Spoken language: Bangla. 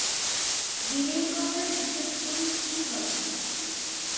দিনের কথা হিসেব করে কী হবে।